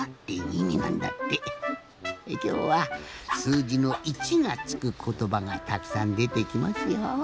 きょうはすうじの一がつくことばがたくさんでてきますよ。